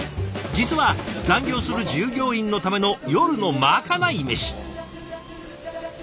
実は残業する従業員のための夜のまかないメシ。